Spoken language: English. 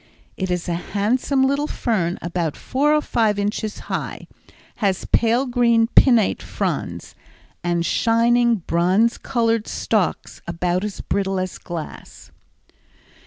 It is a handsome little fern about four or five inches high, has pale green pinnate fronds, and shining bronze colored stalks about as brittle as glass.